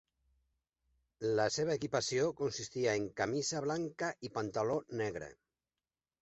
La seva equipació consistia en camisa blanca i pantaló negre.